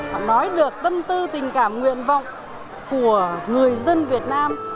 họ nói được tâm tư tình cảm nguyện vọng của người dân việt nam